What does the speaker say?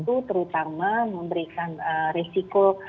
itu terutama memberikan resiko